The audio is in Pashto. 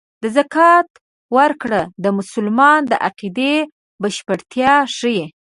د زکات ورکړه د مسلمان د عقیدې بشپړتیا ښيي.